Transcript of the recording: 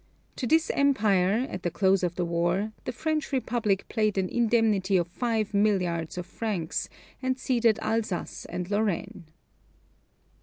To this Empire, at the close of the war, the French Republic paid an indemnity of five milliards of francs, and ceded Alsace and Lorraine.